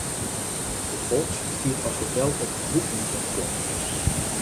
De Folks stiet as hotel op Booking.com.